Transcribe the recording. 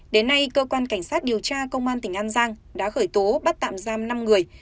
đến nay cơ quan cảnh sát điều tra công an tỉnh an giang đã khởi tố bắt tạm giam năm người